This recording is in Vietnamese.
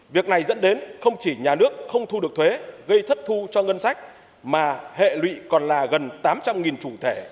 việc này dẫn đến không chỉ nhà nước không thu được thuế gây thất thu cho ngân sách mà hệ lụy còn là gần tám trăm linh chủ thể